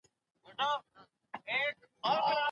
ژوند به ولي مهم وای .